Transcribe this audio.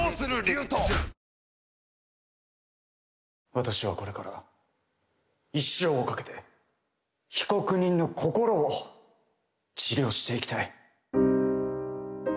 私はこれから一生をかけて被告人の心を治療していきたい。